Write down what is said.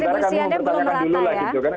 distribusinya belum merata ya